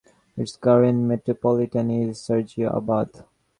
Its current Metropolitan is Sergio Abad.